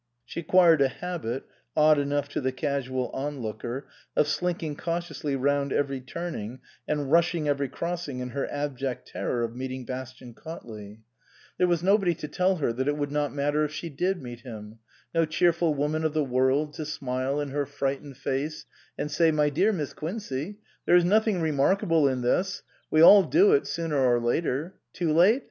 She acquired a habit odd enough to the casual onlooker of slinking cautiously round every turning and rushing every crossing in her abject terror of meeting Bastian Cautley. 306 MISS QUINCEY STANDS BACK There was nobody to tell her that it would not matter if she did meet him; no cheerful woman of the world to smile in her frightened face and say : "My dear Miss Quincey, there is nothing remarkable in this. We all do it, sooner or later. Too late